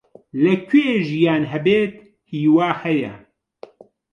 لەکوێ ژیان هەبێت، هیوا هەیە.